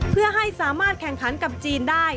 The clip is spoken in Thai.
เพื่อให้สามารถแข่งขันกับจีนได้